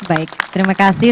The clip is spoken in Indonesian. baik terima kasih